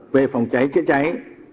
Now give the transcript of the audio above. về phòng cháy trợ cháy